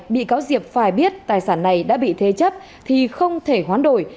bị cáo diệp phải biết tài sản này đã bị thê chấp thì không thể khoán đổi